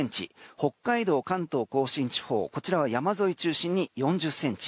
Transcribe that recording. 北海道、関東・甲信こちらは山沿い中心に４０ｃｍ。